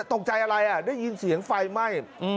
ตกใจอะไรได้ยินเสียงไฟไหม้